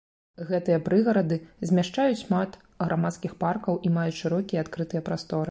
Гэтыя прыгарады змяшчаюць шмат грамадскіх паркаў і маюць шырокія і адкрытыя прасторы.